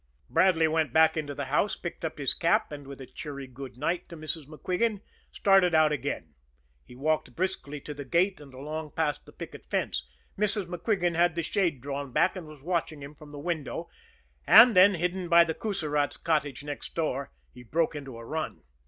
Bradley went back into the house, picked up his cap, and, with a cheery good night to Mrs. MacQuigan, started out again. He walked briskly to the gate and along past the picket fence Mrs. MacQuigan had the shade drawn back, and was watching him from the window and then, hidden by the Coussirats' cottage next door, he broke into a run.